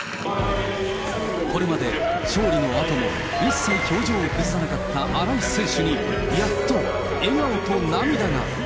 これまで勝利のあとも一切表情を崩さなかった新井選手に、やっと笑顔と涙が。